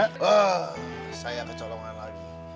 wah saya kecolongan lagi